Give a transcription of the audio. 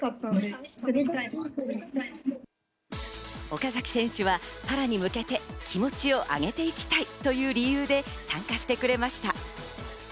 岡崎選手はパラに向けて気持ちを上げていきたいという理由で参加してくれました。